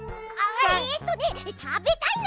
えっとね「たべたいな」。